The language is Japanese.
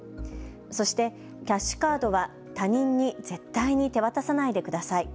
そしてキャッシュカードは他人に絶対に手渡さないでください。